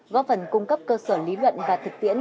góp phần cung cấp cơ sở lý luận và thực tiễn